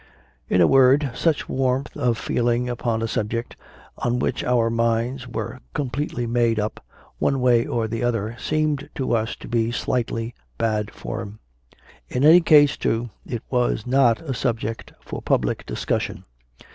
In a word, such warmth of feeling upon a subject on which our minds were completely made up, one way or the other, seemed to us to be slightly bad form. In any case, too, it was not a subject for public discussion.